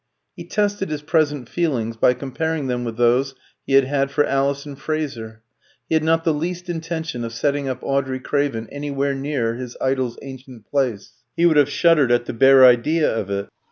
He tested his present feelings by comparing them with those he had had for Alison Fraser. He had not the least intention of setting up Audrey Craven anywhere near his idol's ancient place, he would have shuddered at the bare idea of it.